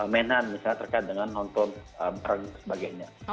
menan misalnya terkait dengan nonton perang dan sebagainya